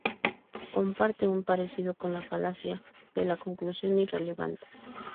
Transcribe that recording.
Comparte un parecido con la falacia de la conclusión irrelevante.